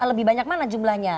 lebih banyak mana jumlahnya